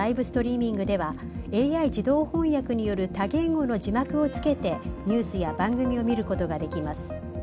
ストリーミングではＡＩ自動翻訳による多言語の字幕をつけてニュースや番組を見ることができます。